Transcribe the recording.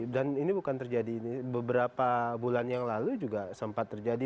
dan ini bukan terjadi beberapa bulan yang lalu juga sempat terjadi